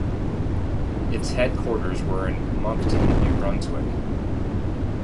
Its headquarters were in Moncton, New Brunswick.